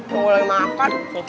mau mulai makan